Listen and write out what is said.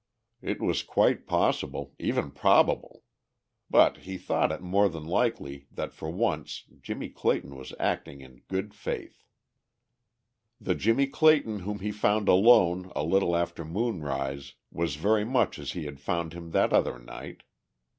It was quite possible, even probable. But he thought it more than likely that for once Jimmie Clayton was acting in good faith. The Jimmie Clayton whom he found alone a little after moonrise was very much as he had found him that other night.